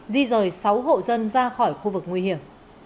di rời sáu hộ dân ra khỏi khu vực nguy hiểm